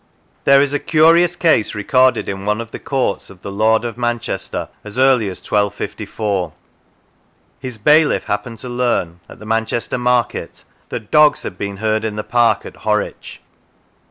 There is a curious case recorded in one of the courts of the lord of Manchester, as early as 1254. His bailiff happened to learn, at the Manchester market, that dogs had been heard in the park at Horwich.